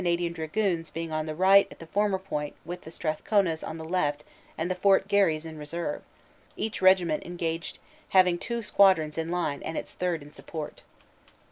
D s being on the right at the former point with the Strathcona s on the left and the Fort Garry s in reserve, each regiment engaged having two squadrons in line and its third in support.